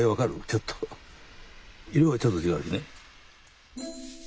ちょっと色がちょっと違うよね。